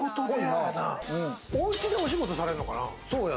おうちでお仕事されるのかな？